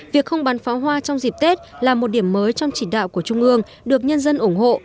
việc không bắn pháo hoa trong dịp tết là một điểm mới trong chỉ đạo của trung ương được nhân dân ủng hộ